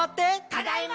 ただいま！